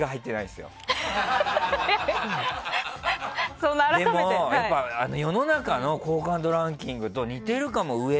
でも、やっぱ世の中の好感度ランキングと似てるかも。